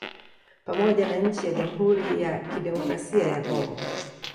Pamoja na nchi ya Jamhuri ya Kidemokrasia ya Congo